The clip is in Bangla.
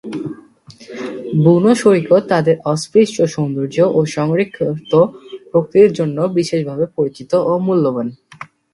বুনো সৈকত তাদের অস্পৃশ্য সৌন্দর্য, ও সংরক্ষিত প্রকৃতির জন্য বিশেষভাবে পরিচিত ও মূল্যবান।